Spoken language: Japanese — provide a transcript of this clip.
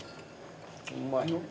うまい。